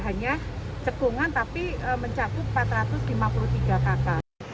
hanya cekungan tapi mencakup empat ratus lima puluh tiga kakak